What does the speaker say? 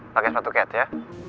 pake sepatu cat ya